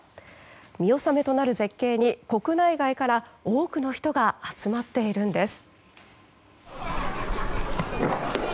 見納めとなる絶景に国内外から多くの人が集まっているんです。